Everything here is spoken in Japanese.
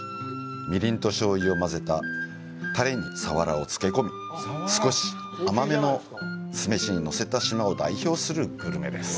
みりんと醤油を混ぜたタレにサワラを漬け込み、少し甘めの酢飯にのせた、島を代表するグルメです。